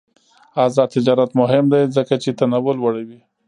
آزاد تجارت مهم دی ځکه چې تنوع لوړوی.